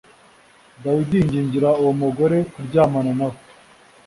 Dawidi yingingira uwo mugore kuryamana nawe